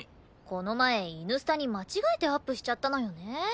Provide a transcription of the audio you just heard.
この前イヌスタに間違えてアップしちゃったのよね。